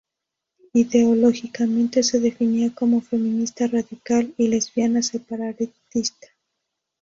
Ideológicamente, se definía como feminista radical y lesbiana separatista.